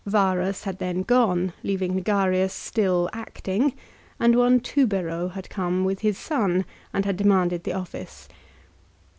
Varus had then gone, leav ing Ligarius still acting, and one Tubero had come with his son, and had demanded the office.